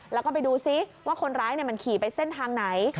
แล้วก็ไปดูซิว่าคนร้ายมันขี่ไปเส้นทางไหน